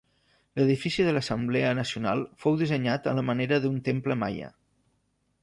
L'edifici de l'Assemblea Nacional fou dissenyat a la manera d'un temple maia.